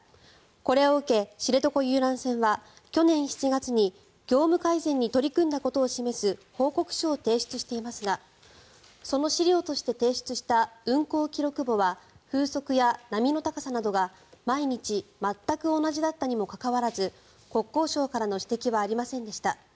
これを受け、知床遊覧船は去年７月に業務改善に取り組んだことを示す報告書を提出していますがその資料として提出した運航記録簿は風速や波の高さなどが毎日全く同じだったにもかかわらず国交省からの指摘はありませんでした。